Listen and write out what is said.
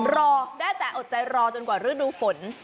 รอได้แต่อดใจรอจนกว่าฤดูฝน